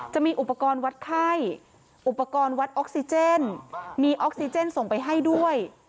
จะมีอุปกรณ์วัดไข้อุปกรณ์วัดออกซิเจนมีออกซิเจนส่งไปให้ด้วย